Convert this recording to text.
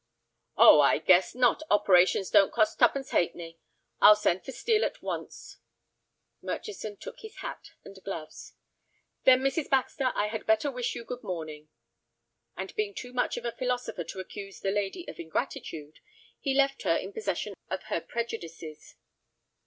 "Oh, I guess not, operations don't cost twopence halfpenny. I'll send for Steel at once." Murchison took his hat and gloves. "Then, Mrs. Baxter, I had better wish you good morning?" And being too much of a philosopher to accuse the lady of ingratitude, he left her in possession of her prejudices.